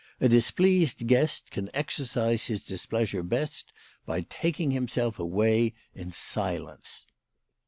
A displeased guest can exercise his displeasure best by taking himself away in silence.